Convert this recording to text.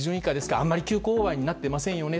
あんまり急勾配になっていませんよね。